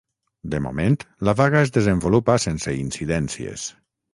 De moment, la vaga es desenvolupa sense incidències.